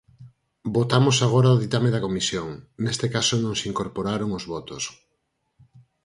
Votamos agora o ditame da Comisión, neste caso non se incorporaron os votos.